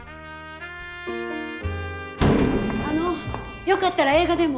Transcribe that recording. あのよかったら映画でも。